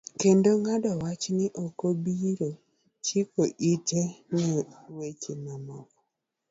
Kendo ng'ado wach ni okobiro chiko ite ne weche moko.